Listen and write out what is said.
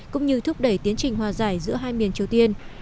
cũng như thúc đẩy tiến trình hòa giải giữa hai miền triều tiên